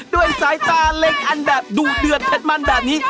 ด้วยสายตาเล็งอันแบบดุเดือดเผ็ดมันแบบนี้